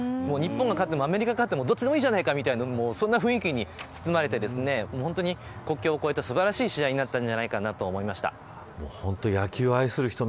日本が勝ってもアメリカが勝ってもどっちでもいいんじゃないかという雰囲気に包まれて、国境を越えた素晴らしい試合になったんじゃないかなと思いました。